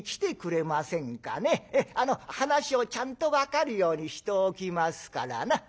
話をちゃんと分かるようにしておきますからな」。